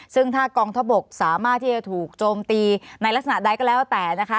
ซึ่งถ้ากองทัพบกสามารถที่จะถูกโจมตีในลักษณะใดก็แล้วแต่นะคะ